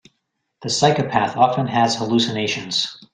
The psychopath often has hallucinations.